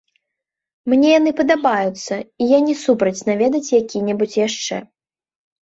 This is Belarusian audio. Мне яны падабаюцца, і я не супраць наведаць які-небудзь яшчэ.